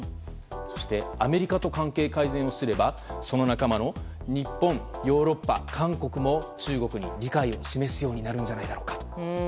そしてアメリカと関係改善をすればその仲間の日本ヨーロッパ、韓国も中国に理解を示すようになるんじゃないかと。